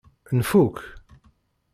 Nfuk?